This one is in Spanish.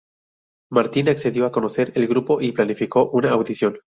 Martin accedió a conocer el grupo y planificó una audición.